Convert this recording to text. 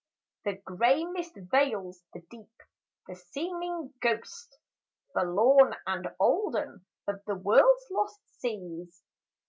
The grey mist veils the deep, the seeming ghost, Forlorn and olden, of the world's lost seas.